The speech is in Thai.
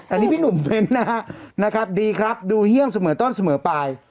อันนี้พี่หนุ่มเมนต์นะฮะนะครับดีครับดูเฮี่ยมเสมอต้นเสมอปลาย